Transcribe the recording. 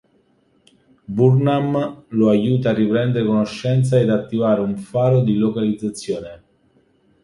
Burnham lo aiuta a riprendere conoscenza ed attivare un faro di localizzazione.